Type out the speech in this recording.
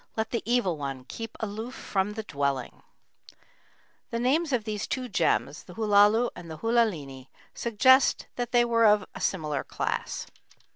Let the evil one keep aloof from the dwelling! The names of two of these gems, the ḥulalu and the ḥulalini, suggest that they were of similar class.